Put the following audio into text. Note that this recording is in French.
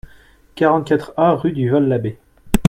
quarante-quatre A rue du Val l'Abbé